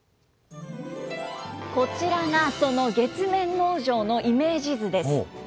こちらがその月面農場のイメージ図です。